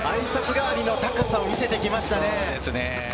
代わりの高さを見せてきましたね。